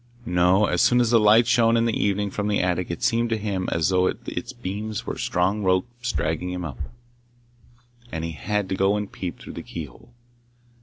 No, as soon as the light shone in the evening from the attic it seemed to him as though its beams were strong ropes dragging him up, and he had to go and peep through the key hole.